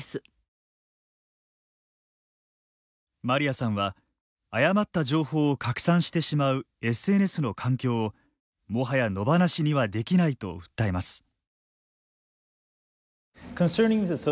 マリアさんは誤った情報を拡散してしまうＳＮＳの環境をもはや野放しにはできないと訴えます。